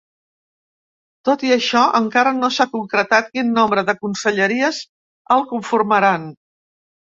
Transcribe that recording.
Tot i això, encara no s’ha concretat quin nombre de conselleries el conformaran.